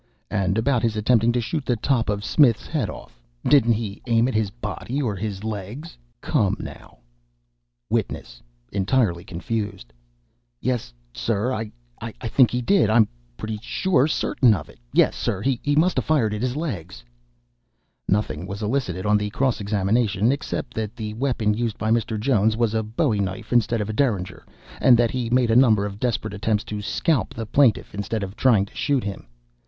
"And about his attempting to shoot the top of Smith's head off didn't he aim at his body, or his legs? Come now." WITNESS. (Entirely confused) "Yes, sir I think he did I I'm pretty certain of it. Yes, sir, he must a fired at his legs." (Nothing was elicited on the cross examination, except that the weapon used by Mr. Jones was a bowie knife instead of a derringer, and that he made a number of desperate attempts to scalp the plaintiff instead of trying to shoot him.